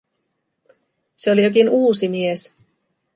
Se oli jokin uusi mies.